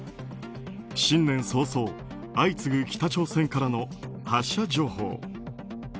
新年早々相次ぐ北朝鮮からの発射情報。